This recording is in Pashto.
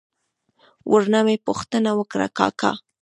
ور نه مې پوښتنه وکړه: کاکا!